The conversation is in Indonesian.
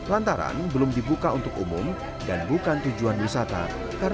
lantaran belum dibuka untuk umum dan bukan tujuan wisata